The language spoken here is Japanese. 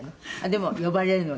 「でも呼ばれるの？